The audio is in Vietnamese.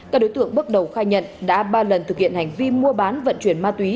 các đối tượng bước đầu khai nhận đã ba lần thực hiện hành vi mua bán vận chuyển ma túy